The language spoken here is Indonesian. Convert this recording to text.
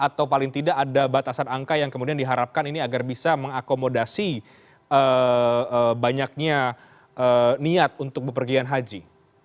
atau paling tidak ada batasan angka yang kemudian diharapkan ini agar bisa mengakomodasi banyaknya niat untuk bepergian haji